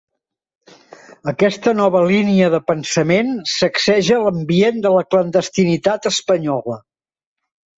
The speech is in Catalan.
Aquesta nova línia de pensament sacseja l'ambient de la clandestinitat espanyola.